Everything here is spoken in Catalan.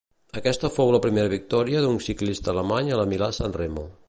Aquesta fou la primera victòria d'un ciclista alemany a la Milà-Sanremo.